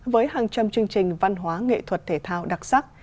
với hàng trăm chương trình văn hóa nghệ thuật thể thao đặc sắc